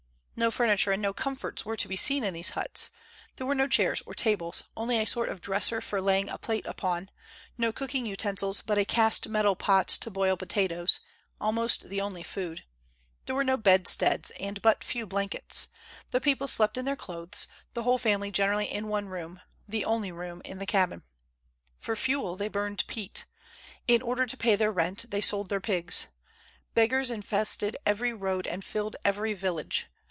No furniture and no comforts were to be seen in these huts. There were no chairs or tables, only a sort of dresser for laying a plate upon; no cooking utensils but a cast metal pot to boil potatoes, almost the only food. There were no bedsteads, and but few blankets. The people slept in their clothes, the whole family generally in one room, the only room in the cabin. For fuel they burned peat. In order to pay their rent, they sold their pigs. Beggars infested every road and filled every village.